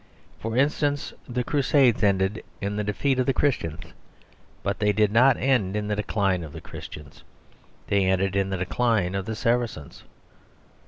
For instance, the Crusades ended in the defeat of the Christians. But they did not end in the decline of the Christians; they ended in the decline of the Saracens.